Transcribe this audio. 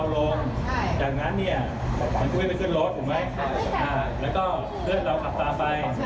และก็เพื่อนเราขับตามไป